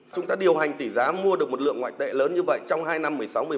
chúng ta điều hành tỷ giá mua được một lượng ngoại tệ lớn như vậy trong hai năm một mươi sáu một mươi ba